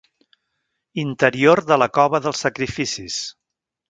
Interior de la cova dels sacrificis.